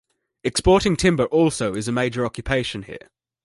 Exporting timber also is a major occupation here.